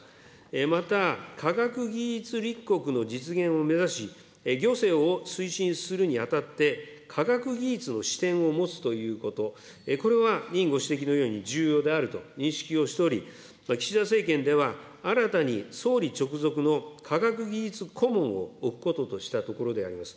また、科学技術立国の実現を目指し、行政を推進するにあたって、科学技術の視点を持つということ、これは委員ご指摘のように重要であると認識をしており、岸田政権では、新たに総理直属の科学技術顧問を置くこととしたところであります。